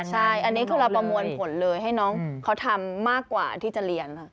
ใช่อันนี้คือเราประมวลผลเลยให้น้องเขาทำมากกว่าที่จะเรียนค่ะ